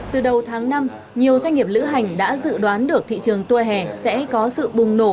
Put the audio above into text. từ đầu tháng năm nhiều doanh nghiệp lữ hành đã dự đoán được thị trường tour hè sẽ có sự bùng nổ